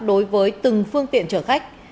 đối với từng phương tiện trở khách